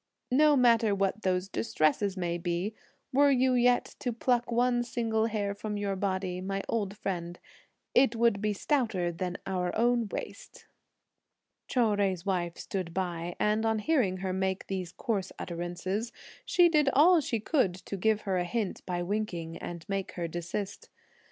No matter what those distresses may be, were you yet to pluck one single hair from your body, my old friend, it would be stouter than our own waist." Chou Jui's wife stood by, and on hearing her make these coarse utterances, she did all she could to give her a hint by winking, and make her desist.